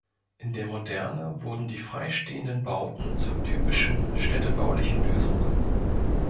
In der Moderne wurden die frei stehenden Bauten zur typischen städtebaulichen Lösung.